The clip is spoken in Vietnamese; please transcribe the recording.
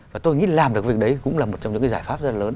và tôi nghĩ làm được việc đấy cũng là một trong những giải pháp rất là lớn